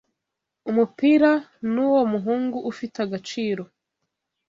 Umupira nuwo muhungu ufite agaciro.